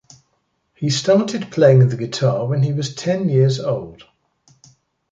He started playing the guitar when he was ten years old.